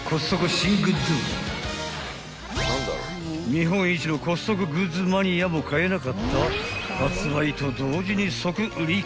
［日本一のコストコグッズマニアも買えなかった発売と同時に即売り切れ］